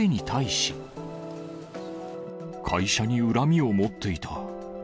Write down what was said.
会社に恨みを持っていた。